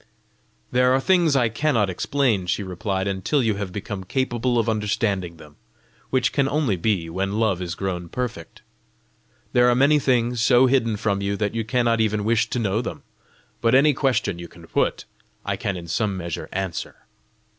"There are things I cannot explain," she replied, "until you have become capable of understanding them which can only be when love is grown perfect. There are many things so hidden from you that you cannot even wish to know them; but any question you can put, I can in some measure answer.